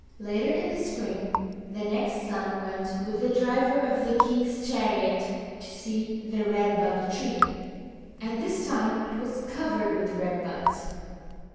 Later in the spring, the next son went with the driver of the king's chariot to see the Red Bud Tree. At this time it was covered with red buds.